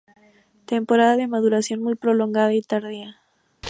Temporada de maduración muy prolongada y tardía.